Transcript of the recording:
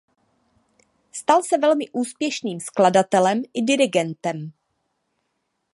Stal se velmi úspěšným skladatelem i dirigentem.